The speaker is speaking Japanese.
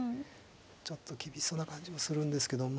ちょっと厳しそうな感じもするんですけども。